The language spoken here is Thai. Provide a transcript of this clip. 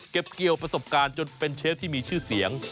เกี่ยวประสบการณ์จนเป็นเชฟที่มีชื่อเสียง